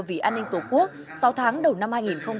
vì an ninh tổ quốc sáu tháng đầu năm